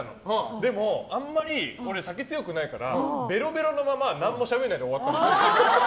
でもあんまり俺、酒が強くないからべろべろのまま何もしゃべらないで終わったの。